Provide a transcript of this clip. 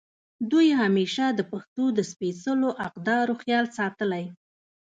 دوي همېشه د پښتو د سپېځلو اقدارو خيال ساتلے